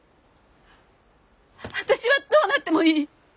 私はどうなってもいい！